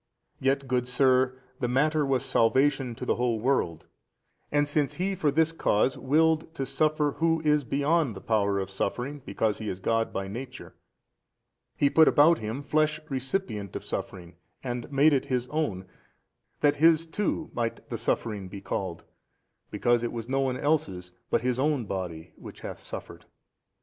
Yet, good sir, the matter was salvation to the whole world: and since He for this cause willed to suffer Who is beyond the power of suffering because He is God by |304 Nature, He put about Him flesh recipient of suffering and made it His own, that His too might the suffering be called, because it was no one's else's but His own Body 62 which hath suffered.